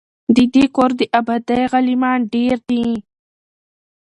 د دې کور د آبادۍ غلیمان ډیر دي